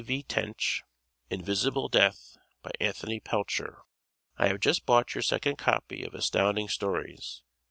V. Tench, "Invisible Death," by Anthony Pelcher. I have just bought your second copy of Astounding Stories.